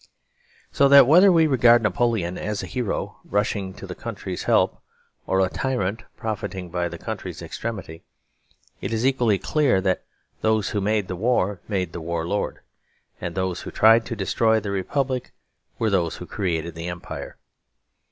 So that whether we regard Napoleon as a hero rushing to the country's help, or a tyrant profiting by the country's extremity, it is equally clear that those who made the war made the war lord; and those who tried to destroy the Republic were those who created the Empire.